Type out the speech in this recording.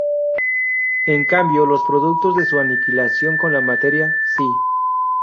En cambio, los productos de su aniquilación con la materia, sí.